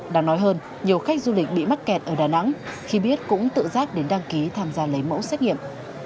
đáng nói hơn nhiều khách du lịch bị mắc kẹt ở đà nẵng khi biết cũng tự giác đến đăng ký tham gia lấy mẫu xét nghiệm